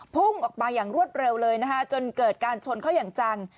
พุ่งออกมาอย่างรวดเร็วเลยนะคะจนเกิดการชนเข้าอย่างจัง